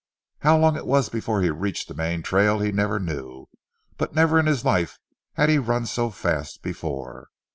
How long it was before he reached the main trail he never knew, but never in his life had he run so fast before.